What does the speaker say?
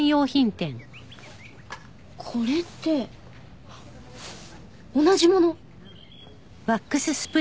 これって同じもの。